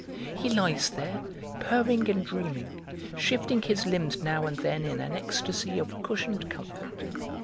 "He lies there, purring and dreaming, shifting his limbs now and then in an ecstasy of cushioned comfort.